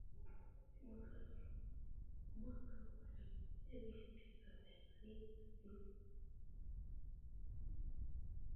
Mwaka wa elfu moja mia tisa themanini na mbili